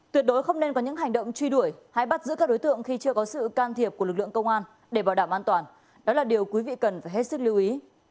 tuyệt đối không nên có những hành động truy đuổi hay bắt giữ các đối tượng khi chưa có sự can thiệp của lực lượng công an để bảo đảm an toàn đó là điều quý vị cần phải hết sức lưu ý